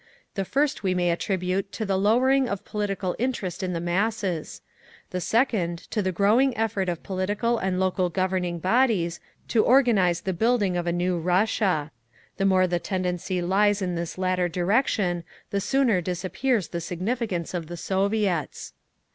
The first we may attribute to the lowering of political interest in the masses; the second, to the growing effort of provincial and local governing bodies to organise the building of new Russia…. The more the tendency lies in this latter direction, the sooner disappears the significance of the Soviets….